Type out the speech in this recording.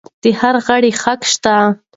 د هر غړي حق شته.